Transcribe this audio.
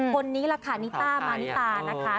คนนี้แหละค่ะนิต้ามานิตานะคะ